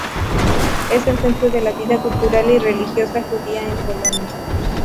Es el centro de la vida cultural y religiosa judía en Colonia.